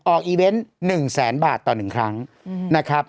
อีเวนต์๑แสนบาทต่อ๑ครั้งนะครับ